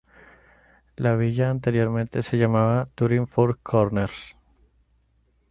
La villa anteriormente se llamaba "Turin Four Corners.